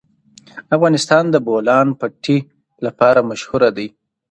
افغانستان د د بولان پټي لپاره مشهور دی.